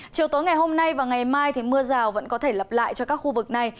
chiều tối ngày hôm nay và ngày mai thì mưa rào vẫn có thể lặp lại cho các khu vực này